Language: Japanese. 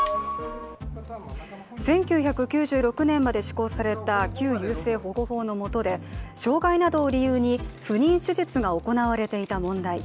１９９６年まで施行された旧優生保護法のもとで、障害などを理由に、不妊手術が行われていた問題。